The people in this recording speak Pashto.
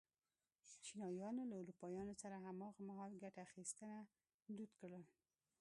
چینایانو له اروپایانو سره هماغه مهال ګته اخیستنه دود کړل.